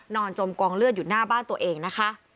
จมกองเลือดอยู่หน้าบ้านตัวเองนะคะ